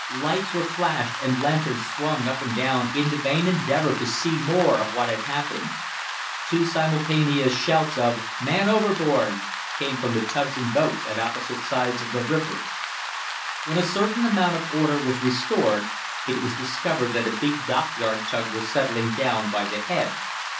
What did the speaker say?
"Lights were flashed and lanterns swung up and down in the vain endeavour to see more of what had happened. Two simultaneous shouts of 'Man overboard!' came from tugs and boats at opposite sides of the river. When a certain amount of order was restored it was discovered that a big dockyard tug was settling down by the head.